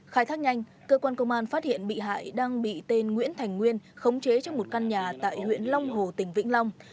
khai thác nhanh cơ quan công an phát hiện bị hại đang bị tên nguyễn thành nguyên khống chế trong một căn nhà tại huyện long hồ tỉnh vĩnh long